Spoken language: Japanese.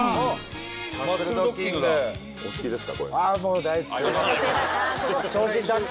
お好きですか？